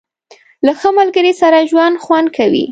• له ښه ملګري سره ژوند خوند کوي.